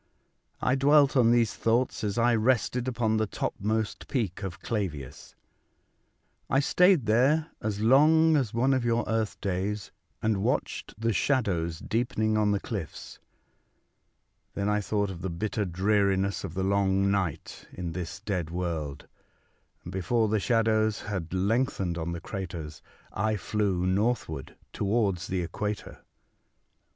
I dwelt on these thoughts as I rested upon the topmost peak of Clavius. I stayed there as long as one of your earth days, and watched the shadows deepening on the cliffs. Then I thought of the bitter dreariness of the long night in this dead world; and before the shadows had lengthened on the craters I flew northward towards the equator.